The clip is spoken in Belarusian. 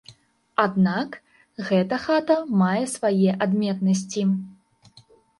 Аднак гэта хата мае свае адметнасці.